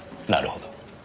なるほど。